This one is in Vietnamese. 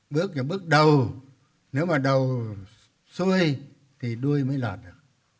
bước là bước đầu nếu mà đầu xui thì đuôi mới lọt được